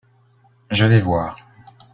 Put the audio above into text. Je vais voir.